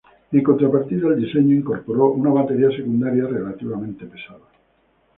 En contrapartida, el diseño incorporó una batería secundaria relativamente pesada.